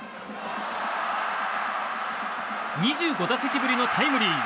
２５打席ぶりのタイムリー。